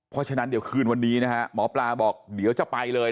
เพราะฉะนั้นเดี๋ยวคืนวันนี้นะฮะหมอปลาบอกเดี๋ยวจะไปเลย